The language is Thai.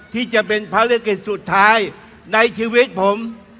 ที่จะเป็นภารกิจสุดท้ายในชีวิตผม